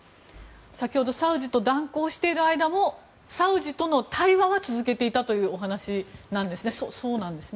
先ほどサウジと断交している間もサウジとの対話は続けていたというお話ですがそうなんですね？